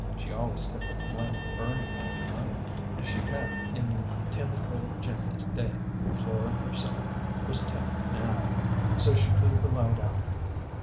She always kept a lamp burning all night, as she had in timid little Jenny's day. Flora herself was timid now. So she blew the light out.